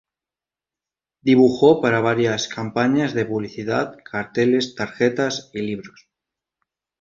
Dibujó para varias campañas de publicidad, carteles, tarjetas, libros.